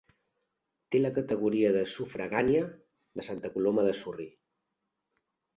Té la categoria de sufragània de Santa Coloma de Surri.